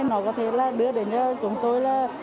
nó có thể là đưa đến cho chúng tôi